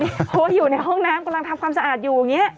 นี่เพราะอยู่ในห้องน้ำกำลังทำความสะอาดอยู่ไง